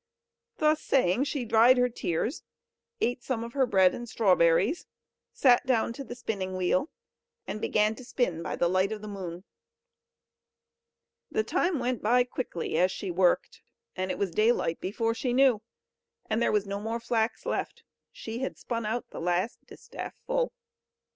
Thus saying, she dried her tears, ate some of her bread and strawberries, sat down to the spinning wheel, and began to spin by the light of the moon. The time went by quickly, as she worked, and it was daylight before she knew. And there was no more flax left; she had spun out the last distaff full.